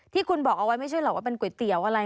ที่คุณบอกเอาไว้ไม่ใช่หรอกว่าเป็นก๋วยเตี๋ยวอะไร